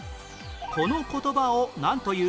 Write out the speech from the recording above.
この言葉をなんという？